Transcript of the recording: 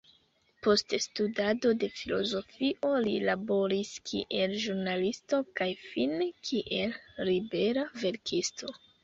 Post studado de filozofio li laboris kiel ĵurnalisto kaj fine kiel libera verkisto.